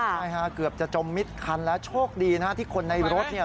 ใช่ค่ะเกือบจะจมมิดคันแล้วโชคดีนะที่คนในรถเนี่ย